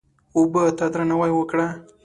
اوبه ته درناوی وکړه.